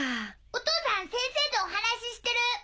お父さん先生とお話ししてる。